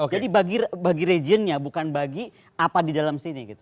jadi bagi regionnya bukan bagi apa di dalam sini